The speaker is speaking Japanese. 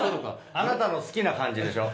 あなたの好きな感じでしょ？